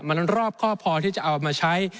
มันรอบข้อพอที่จะเอามาใช้